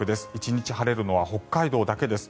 １日晴れるのは北海道だけです。